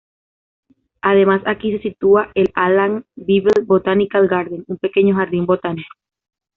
Además, aquí se sitúa el Alan Bible Botanical Garden, un pequeño jardín botánico.